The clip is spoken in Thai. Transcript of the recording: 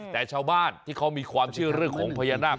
แต่ชาวบ้านที่เขามีความเชื่อเรื่องของพญานาค